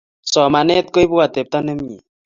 Somanet kuipu atepto nemie